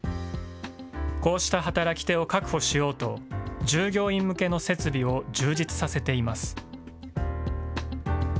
こうした働き手を確保しようと、従業員向けの設備を充実させています。